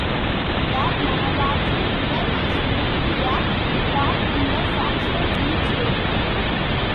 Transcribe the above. The Manawatu River is used a lot in the Foxton Beach Area.